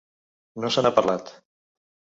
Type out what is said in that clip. No se n’ha parlat